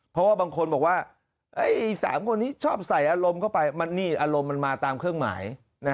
เพราะว่าบางคนบอกว่า๓คนนี้ชอบใส่อารมณ์เข้าไปนี่อารมณ์มันมาตามเครื่องหมาย